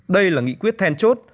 đây là nghị quyết then chốt